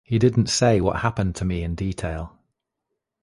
He didn't say what happened to me in detail.